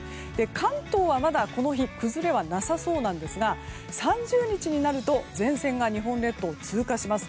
関東は、まだこの日崩れはなさそうですが３０日になると前線が日本列島を通過します。